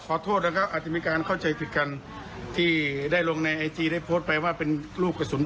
พี่หม่ามก็ฝากขอโทษมาด้วย